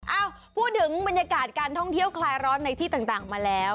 เอ้าพูดถึงบรรยากาศการท่องเที่ยวคลายร้อนในที่ต่างมาแล้ว